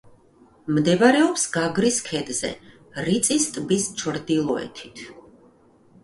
მდებარეობს გაგრის ქედზე, რიწის ტბის ჩრდილოეთით.